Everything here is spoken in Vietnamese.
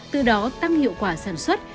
từ đó tăng hiệu quả sản xuất